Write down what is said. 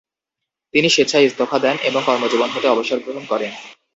তিনি স্বেচ্ছায় ইস্তফা দেন এবং কর্মজীবন হতে অবসর গ্রহণ করেন।